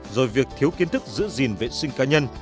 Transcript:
rồi việc thiếu kiến thức giữ gìn vệ sinh cá nhân